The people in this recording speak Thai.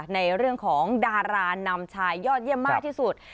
ในเรื่องของดารานำชายยอดเยี่ยมมากที่สุด